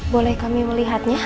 boleh kami melihatnya